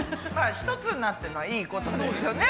一つになってるのはいいことですよね。